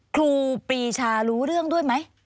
ครูปรีชารู้เรื่องด้วยไหม